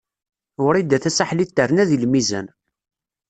Wrida Tasaḥlit terna deg lmizan.